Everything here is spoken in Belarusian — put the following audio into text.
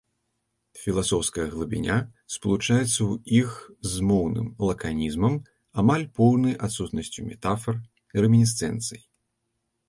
Філасофская глыбіня спалучаецца ў іх з моўным лаканізмам, амаль поўнай адсутнасцю метафар, рэмінісцэнцый.